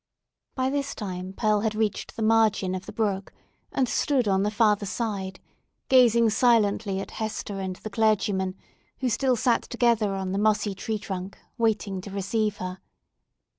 By this time Pearl had reached the margin of the brook, and stood on the further side, gazing silently at Hester and the clergyman, who still sat together on the mossy tree trunk waiting to receive her.